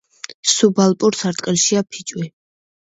სუბალპურ სარტყელშია ფიჭვი.